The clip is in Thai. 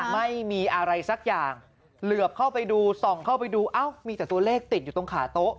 ไม่มีอะไรสักอย่างเหลือบเข้าไปดูส่องเข้าไปดูเอ้ามีแต่ตัวเลขติดอยู่ตรงขาโต๊ะ